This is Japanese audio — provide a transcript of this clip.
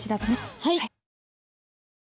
はい。